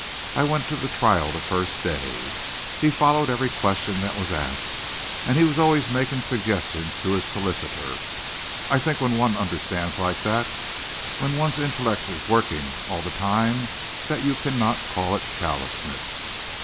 "I went to the trial the first day. He followed every question that was asked, and he was always making suggestions to his solicitor. I think when one understands like that, when one's intellect is working all the time, that you cannot call it callousness."